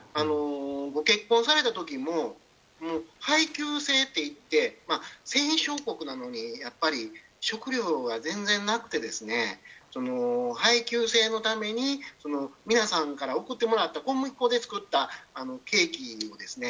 ご結婚された時も配給制といって戦勝国なのに食料が全然なくて、配給制のために、皆さんから送ってもらった小麦粉で作ったケーキですね。